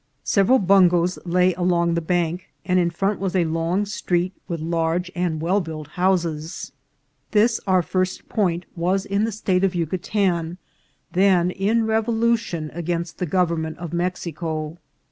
Several bungoes lay along the bank, and in front was a long street, with large and well built houses. This, our first point, was in the MORE REVOLUTIONS. 377 State of Yucatan, then in revolution against the gov ernment of Mexico.